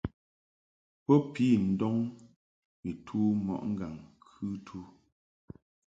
Bo pi ndɔŋ ni tu mo ŋgaŋ-kɨtu.